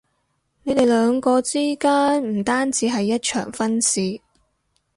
你哋兩個之間唔單止係一場婚事